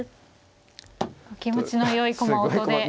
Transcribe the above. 気持ちのよい駒音で。